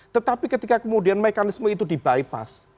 tetapi ketika kemudian mekanisme itu di bypass